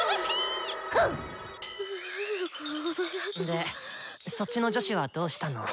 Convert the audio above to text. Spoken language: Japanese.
でそっちの女子はどうしたの？